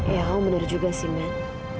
ya kamu benar juga sih man